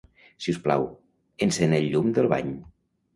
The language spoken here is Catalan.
Sisplau, encén el llum del bany.